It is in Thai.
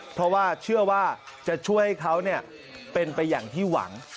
เพราะว่าเชื่อว่าจะช่วยให้เขาเป็นไปอย่างที่หวัง